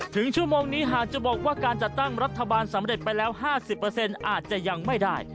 ถึงชั่วโมงนี้หากจะบอกว่าการจัดตั้งรัฐบาลสำเร็จไปแล้วห้าสิบเปอร์เซ็นต์อาจจะยังไม่ได้